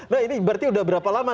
nah ini berarti udah berapa lama